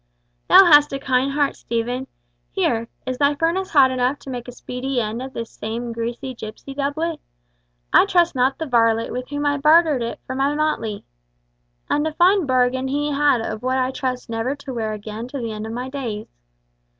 "Thou hast a kind heart, Stephen. Here! Is thy furnace hot enough to make a speedy end of this same greasy gipsy doublet? I trust not the varlet with whom I bartered it for my motley. And a fine bargain he had of what I trust never to wear again to the end of my days.